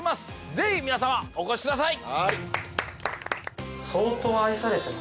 ぜひ皆様お越しください